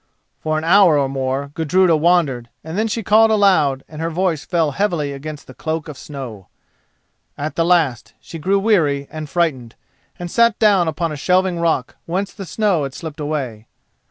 For an hour or more Gudruda wandered and then she called aloud and her voice fell heavily against the cloak of snow. At the last she grew weary and frightened, and sat down upon a shelving rock whence the snow had slipped away.